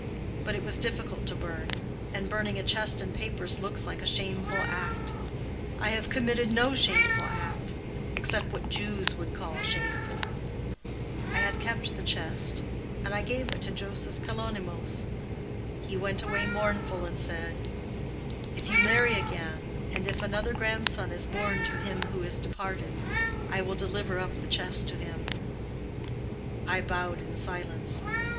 But it was difficult to burn; and burning a chest and papers looks like a shameful act. I have committed no shameful act—except what Jews would call shameful. I had kept the chest, and I gave it to Joseph Kalonymos. He went away mournful, and said, 'If you marry again, and if another grandson is born to him who is departed, I will deliver up the chest to him.' I bowed in silence.